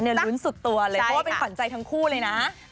ดิฉันจะลุ้นสุดตัวเลยเพราะว่าเป็นฝันใจทั้งคู่เลยนะ